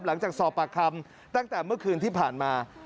หลังจากสอบปากคำตั้งแต่เมื่อคืนที่ผ่านมา